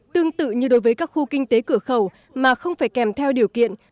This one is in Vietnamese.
tương tự như đối với các khu kinh tế cửa khẩu mà không phải kèm theo điều kiện